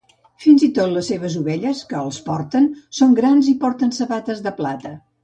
Fins i tot les seves ovelles, que els porten, són grans i porten sabates de plata.